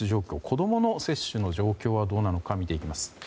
子供の接種の状況はどうなのか見ていきます。